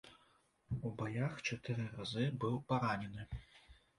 У баях чатыры разы быў паранены.